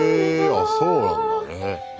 あそうなんだね。